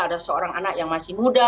ada seorang anak yang masih muda